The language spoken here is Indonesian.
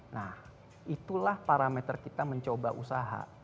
nah itulah parameter kita mencoba usaha